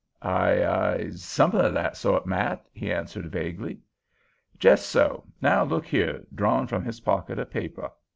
"I—I—somethin' o' that sort, Matt," he answered vaguely. "Jes' so. Now look here," drawing from his pocket a paper.